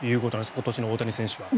今年の大谷選手は。